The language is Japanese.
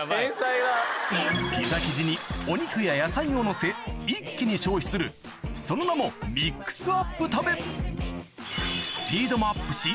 ピザ生地にお肉や野菜をのせ一気に消費するその名もミックスアップ